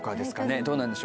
どうなんでしょう？